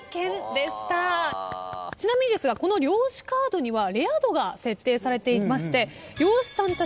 ちなみにですがこの漁師カードにはレア度が設定されていまして。